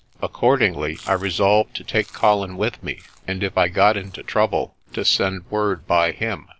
Ac cordingly, I resolved to take Colin with me and, if I got into trouble, to send word by him.